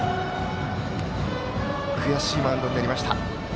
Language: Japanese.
悔しいマウンドになりました。